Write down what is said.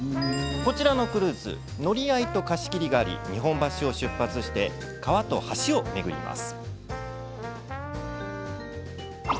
こちらのクルーズ乗り合いと貸し切りがあり日本橋を出発して川と橋を巡ります。